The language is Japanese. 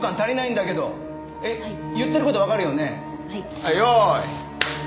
はい用意。